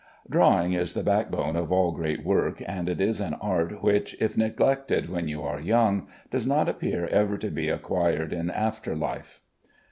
Drawing is the backbone of all great work, and it is an art which, if neglected when you are young, does not appear ever to be acquired in after life.